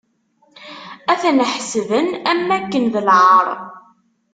Ad ten-ḥesben am wakken d lɛar.